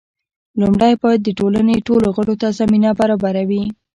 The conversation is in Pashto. لومړی باید د ټولنې ټولو غړو ته زمینه برابره وي.